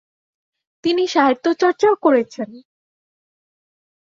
তিনি সাহিত্য চর্চাও করেছেন।